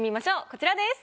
こちらです。